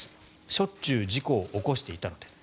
しょっちゅう事故を起こしていたので。